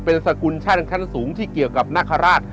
เป็นศิลป์ชาติธรรมชาติศูนย์ที่เกี่ยวกับนัคราช